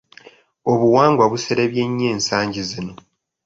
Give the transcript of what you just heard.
Obuwangwa buserebye nnyo ensangi zino.